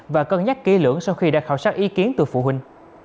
và cân nhắc kỹ lưỡng sau khi đã khảo sát ý kiến từ phụ huynh